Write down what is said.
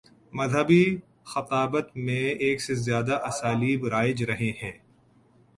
مذہبی خطابت میں ایک سے زیادہ اسالیب رائج رہے ہیں۔